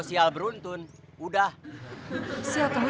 cipet deh bang